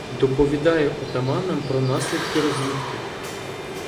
Доповідаю отаманам про наслідки розвідки.